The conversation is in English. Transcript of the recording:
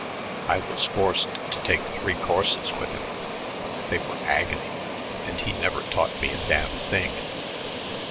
I was forced to take three courses with him. They were agony, and he never taught me a damn thing."